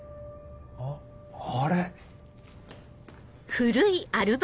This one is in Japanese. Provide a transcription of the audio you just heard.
あっあれ。